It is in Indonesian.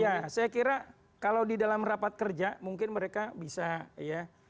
ya saya kira kalau di dalam rapat kerja mungkin mereka bisa ya